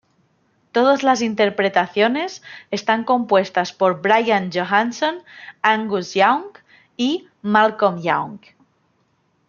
Todas las interpretaciones, están compuestas por Brian Johnson, Angus Young y Malcolm Young.